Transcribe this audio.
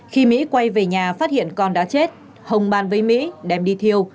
khi mỹ quay về nhà phát hiện con đã chết hồng bàn với mỹ đem đi thiêu